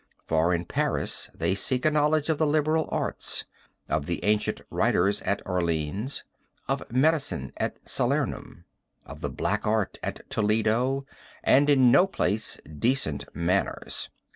For in Paris they seek a knowledge of the liberal arts; of the ancient writers at Orleans; of medicine at Salernum; of the black art at Toledo; and in no place decent manners.'"